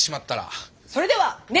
それではね！